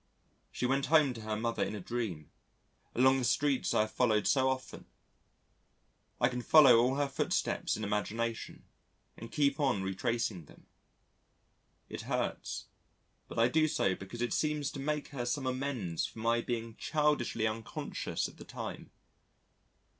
She went home to her mother in a dream, along the streets I have followed so often. I can follow all her footsteps in imagination and keep on retracing them. It hurts, but I do so because it seems to make her some amends for my being childishly unconscious at the time.